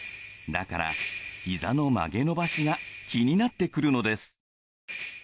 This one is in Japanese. だからひざの曲げ伸ばしが気になってくるのです。